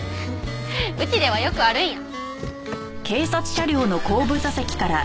うちではよくあるんや。